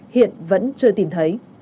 hiện vẫn chưa tìm thấy